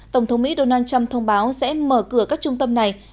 tổng thống mỹ donald trump thông báo sẽ mở cửa các trung tâm này